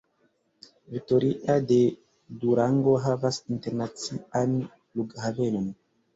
Victoria de Durango havas internacian flughavenon.